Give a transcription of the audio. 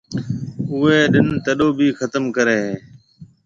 اوئي ڏِن تڏو ڀِي ختم ڪريَ ھيََََ